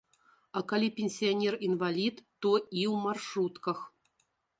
А калі пенсіянер інвалід, то і ў маршрутках.